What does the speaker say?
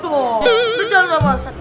tunggu dulu pak ustadz